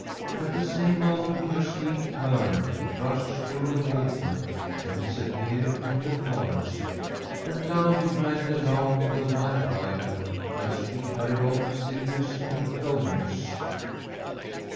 At the same moment her steed turned, rushed through the water, and disappeared in the forest. And loudly rang the laugh of the wild rider as she carried off Silvius Antonius.